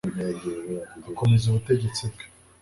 akomeza ubutegetsi bwe